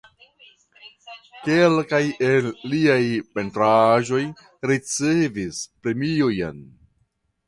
Kelkaj el liaj pentraĵoj ricevis premiojn.